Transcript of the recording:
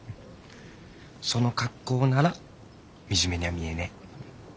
その格好なら惨めにゃ見えねえ。